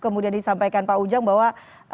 kemudian disampaikan pak ujang bahwa